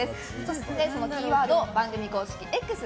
そのキーワードを番組公式Ｘ